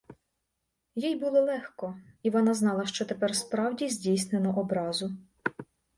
Їй було легко, і вона знала, що тепер справді здійснено образу.